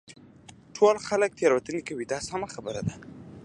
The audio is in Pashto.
ټول خلک تېروتنې کوي دا سمه خبره ده.